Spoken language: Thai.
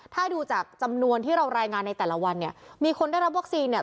ถ้าดูจากจำนวนที่เรารายงานในแต่ละวันเนี่ยมีคนได้รับวัคซีนเนี่ย